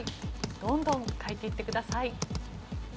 どんどん書いていってください。